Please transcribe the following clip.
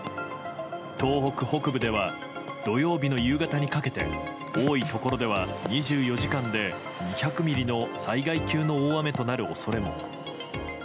東北北部では土曜日の夕方にかけて多いところでは２４時間で２００ミリの災害級の大雨となる恐れも。